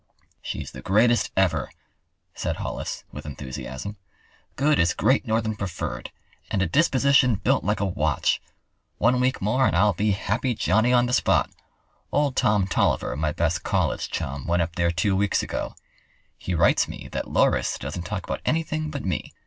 "She's the greatest ever," said Hollis, with enthusiasm. "Good as Great Northern Preferred, and a disposition built like a watch. One week more and I'll be happy Jonny on the spot. Old Tom Tolliver, my best college chum, went up there two weeks ago. He writes me that Loris doesn't talk about anything but me.